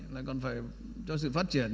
là còn phải cho sự phát triển